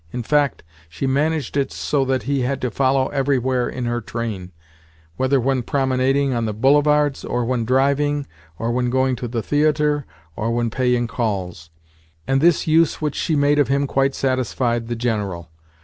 In fact, she managed it so that he had to follow everywhere in her train—whether when promenading on the Boulevards, or when driving, or when going to the theatre, or when paying calls; and this use which she made of him quite satisfied the General.